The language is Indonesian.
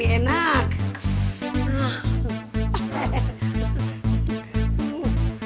ini enak ini enak